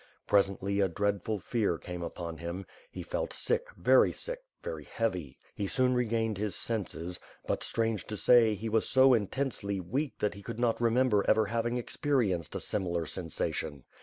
Presently, a dreadful fear came upon him. He felt sick, very sick, very heavy. He soon regained his senses; but, strange to say, he was so intensely weak that he could not remember ever having experienced a similar sensation.